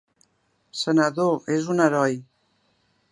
Senador, és un heroi.